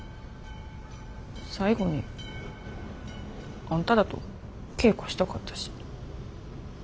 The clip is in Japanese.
最後にあんたらと稽古したかったし。